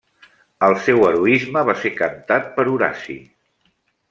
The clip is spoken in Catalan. El seu heroisme va ser cantat per Horaci.